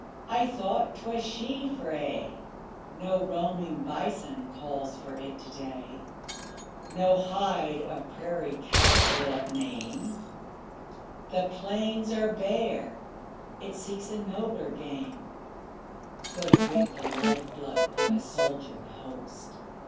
I thought 'twas sheathed for aye. No roaming bison calls for it to day; No hide of prairie cattle will it maim; The plains are bare, it seeks a nobler game: 'Twill drink the life blood of a soldier host.